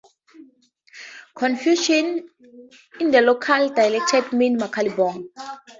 Confusion in the local dialect means "makalibog".